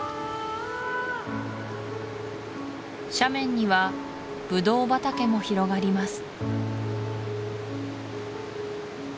斜面にはブドウ畑も広がります